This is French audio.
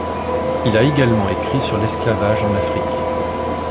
Il a également écrit sur l'esclavage en Afrique.